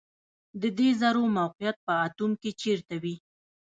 د دې ذرو موقعیت په اتوم کې چیرته وي